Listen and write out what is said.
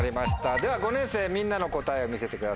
では５年生みんなの答えを見せてください。